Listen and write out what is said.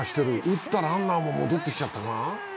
打ったランナーも戻ってきちゃったな。